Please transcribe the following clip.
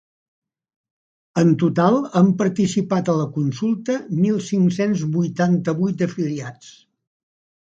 En total han participat a la consulta mil cinc-cents vuitanta-vuit afiliats.